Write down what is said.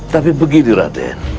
tapi begini ratin